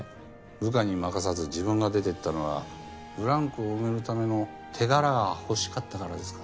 部下に任さず自分が出ていったのはブランクを埋めるための手柄が欲しかったからですか？